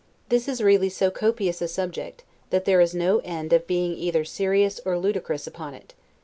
This is really so copious a subject, that there is no end of being either serious or ludicrous upon it.